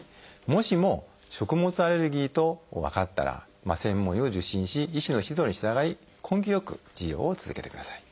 もしも食物アレルギーと分かったら専門医を受診し医師の指導に従い根気よく治療を続けてください。